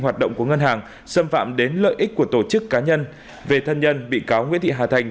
hoạt động của ngân hàng xâm phạm đến lợi ích của tổ chức cá nhân về thân nhân bị cáo nguyễn thị hà thành